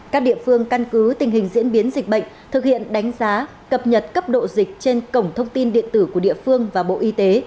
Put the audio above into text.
các địa phương căn cứ tình hình diễn biến dịch bệnh thực hiện đánh giá cập nhật cấp độ dịch trên cổng thông tin điện tử của địa phương và bộ y tế